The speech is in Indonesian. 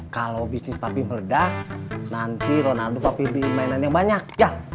kalau bisnis papi meledak nanti ronaldo papi pilih mainan yang banyak ya